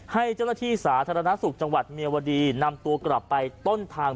ให้เจ้าหน้าที่สาธารณสุขจังหวัดเมียวดีนำตัวกลับไปต้นทาง